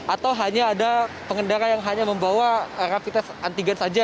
atau hanya ada pengendara yang hanya membawa rapid test antigen saja